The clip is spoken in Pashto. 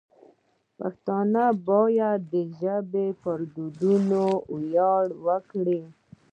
پښتانه باید د ژبې پر دودونو ویاړ وکړي.